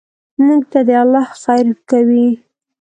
موږ ته دې الله خیر کوي.